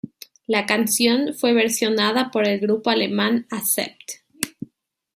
La canción fue versionada por el grupo alemán Accept.